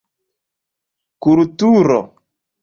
kulturo